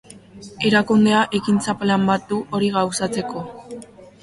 Erakundea ekintza-plan bat du hori gauzatzeko.